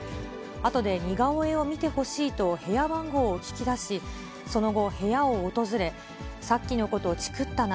あとで似顔絵を見てほしいと部屋番号を聞き出し、その後、部屋を訪れ、さっきのこと、チクったな。